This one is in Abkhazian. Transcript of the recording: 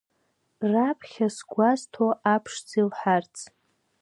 Раԥхьа сгәазҭо аԥшӡа илҳәарц…